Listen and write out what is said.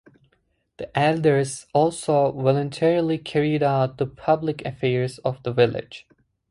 The elders also voluntarily carried out the public affairs of the village.